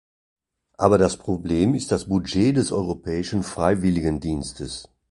Aber das Problem ist das Budget des Europäischen Freiwilligendienstes.